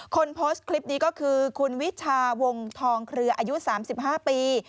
คนโพสต์คลิปนี้ก็คือคุณวิชาวงทองเครืออายุ๓๕ปี